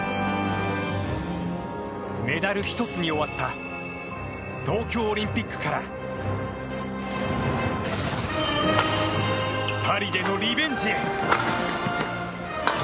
メダル１つに終わった東京オリンピックからパリでのリベンジへ。